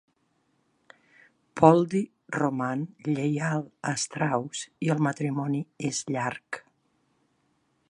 Poldi roman lleial a Strauss i el matrimoni és llarg.